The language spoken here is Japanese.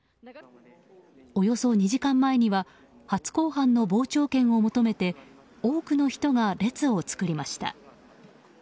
およそ２時間前には初公判の傍聴券を求めて多くの人が列を作りました。